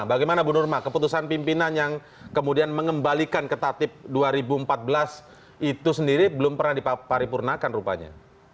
bagaimana bu nurma keputusan pimpinan yang kemudian mengembalikan ke tatip dua ribu empat belas itu sendiri belum pernah diparipurnakan rupanya